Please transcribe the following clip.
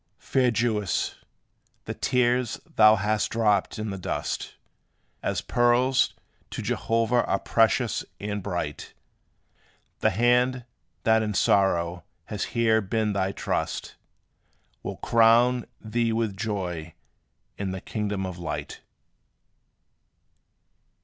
Fair Jewess, the tears thou hast dropped in the dust, As pearls, to Jehovah are precious and bright. The hand, that in sorrow has here been thy trust, Will crown thee with joy in the kingdom of light.